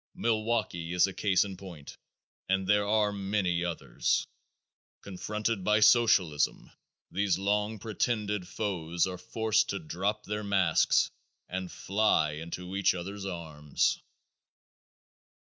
Milwaukee is a case in point and there are many others. Confronted by the Socialists these long pretended foes are forced to drop their masks and fly into each other's arms.